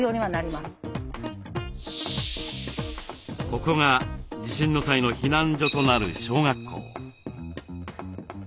ここが地震の際の避難所となる小学校。